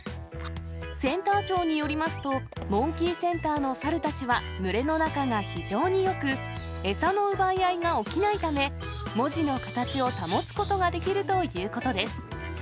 センター長によりますと、モンキーセンターの猿たちは、群れの仲が非常によく、餌の奪い合いが起きないため、文字の形を保つことができるということです。